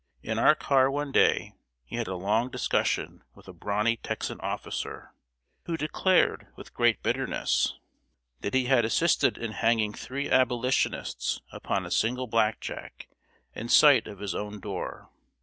In our car one day he had a long discussion with a brawny Texan officer, who declared with great bitterness that he had assisted in hanging three Abolitionists upon a single blackjack, in sight of his own door.